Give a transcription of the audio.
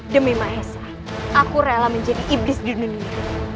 demi maessa aku rela menjadi iblis di dunia